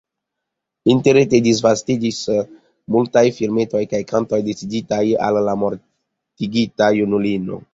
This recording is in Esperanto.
Interrete disvastiĝis multaj filmetoj kaj kantoj, dediĉitaj al la mortigita junulino.